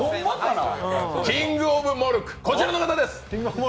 キングオブモルック、こちらの方です！